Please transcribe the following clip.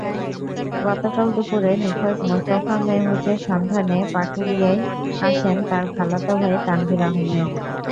গতকাল দুপুরে নিখোঁজ মোস্তফা মেহফুজের সন্ধানে পাটুরিয়ায় আসেন তাঁর খালাতো ভাই তানভীর আহমেদ।